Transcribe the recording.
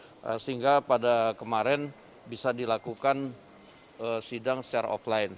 sehingga pada kemarin bisa dilakukan sidang secara offline